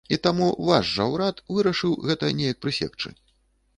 І таму ваш жа ўрад вырашыў гэта неяк прысекчы.